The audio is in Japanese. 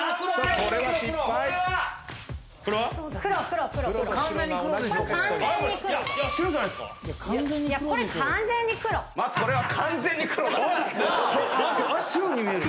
これは完全黒！